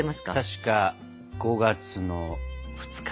確か５月の２日。